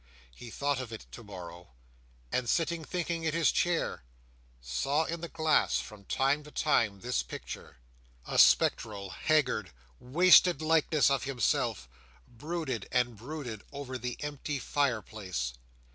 He thought of it to morrow; and sitting thinking in his chair, saw in the glass, from time to time, this picture: A spectral, haggard, wasted likeness of himself, brooded and brooded over the empty fireplace.